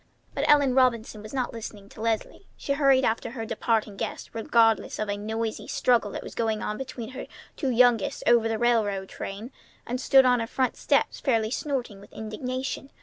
But Ellen Robinson was not listening to Leslie. She hurried after her departing guests regardless of a noisy struggle that was going on between her two youngest over the railway train, and stood on her front steps, fairly snorting with indignation.